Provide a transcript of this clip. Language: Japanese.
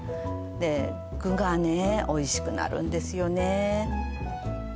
で具がねおいしくなるんですよね